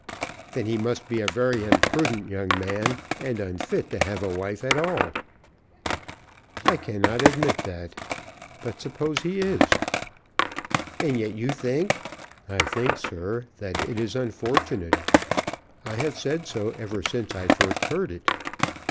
"Then he must be a very imprudent young man, and unfit to have a wife at all." "I cannot admit that, but suppose he is?" "And yet you think ?" "I think, sir, that it is unfortunate. I have said so ever since I first heard it.